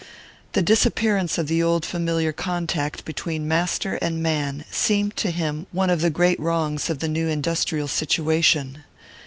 The disappearance of the old familiar contact between master and man seemed to him one of the great wrongs of the new industrial situation.